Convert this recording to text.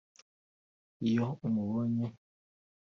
Iyo umubonye